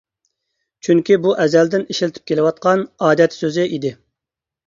چۈنكى بۇ ئەزەلدىن ئىشلىتىپ كېلىۋاتقان ئادەت سۆزى ئىدى.